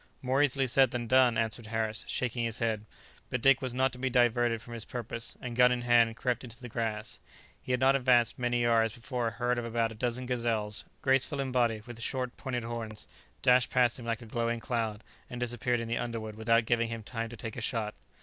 "More easily said than done," answered Harris, shaking his head; but Dick was not to be diverted from his purpose, and, gun in hand, crept into the grass. He had not advanced many yards before a herd of about a dozen gazelles, graceful in body, with short, pointed horns, dashed past him like a glowing cloud, and disappeared in the underwood without giving him time to take a shot.